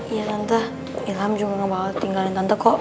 iya tante ilham juga ngebawa tinggalin tante kok